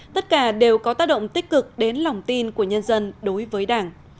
tất cả đều có tác động tích cực đến lòng tin của nhân dân đối với đảng